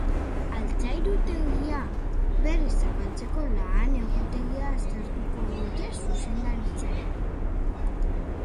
Altzairutegia berriz zabaltzeko lan-egutegia aztertuko dute zuzendaritzarekin.